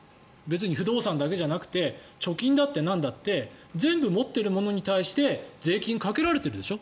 不動産だけじゃなくて貯金だってなんだって全部持っているものに対して税金をかけられてるでしょ。